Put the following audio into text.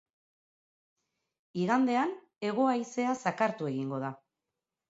Igandean, hego-haizea zakartu egingo da.